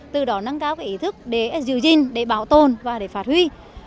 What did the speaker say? từ đó nâng cao ý thức để giữ gìn để bảo tồn và để phát huy